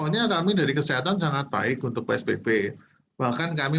jadi kami berharap angka yang tadi